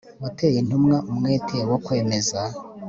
wateye intumwa umwete wo kwemeza